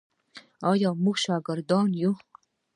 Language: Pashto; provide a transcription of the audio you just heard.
آیا موږ شاکران یو؟